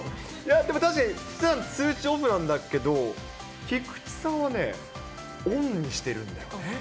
でも確かにふだん、通知オフなんだけど、菊池さんはね、オンにしてるんだよね。